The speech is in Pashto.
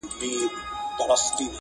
• توجه یې له باوړیه شاوخوا وي -